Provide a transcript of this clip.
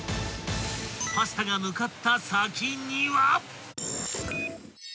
［パスタが向かった先には］